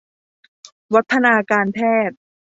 วัฒนาการแพทย์